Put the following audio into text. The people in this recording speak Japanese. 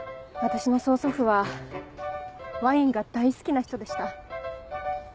私の曽祖父はワインが大好きな人でした。